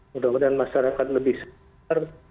mudah mudahan masyarakat lebih sadar